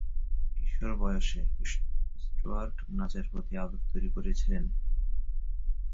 কিশোর বয়সে, স্টুয়ার্ট নাচের প্রতি আবেগ তৈরি করেছিলেন।